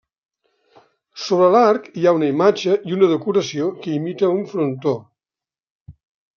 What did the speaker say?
Sobre l'arc hi ha una imatge i una decoració que imita un frontó.